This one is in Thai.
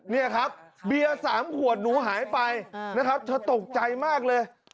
นี่ครับเบียร์๓ขวดหนูหายไปนะครับเธอตกใจมากเลย